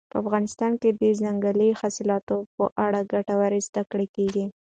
په افغانستان کې د ځنګلي حاصلاتو په اړه ګټورې زده کړې کېږي.